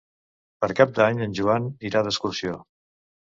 Per Cap d'Any en Joan irà d'excursió.